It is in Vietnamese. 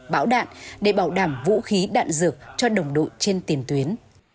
bão đạn để bảo đảm vũ khí đạn dược cho đồng đội trên tiền tuyến